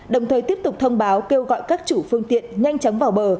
đồng thời tiếp tục thông báo kêu gọi các chủ phương tiện nhanh chóng vào bờ